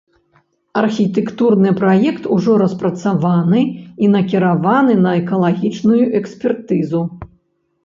Архітэктурны праект ужо распрацаваны і накіраваны на экалагічную экспертызу.